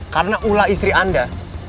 karena ulah istri anda